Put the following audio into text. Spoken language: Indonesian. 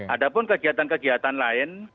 ada pun kegiatan kegiatan lain